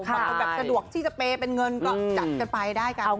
บางคนแบบสะดวกที่จะเปย์เป็นเงินก็จัดกันไปได้กัน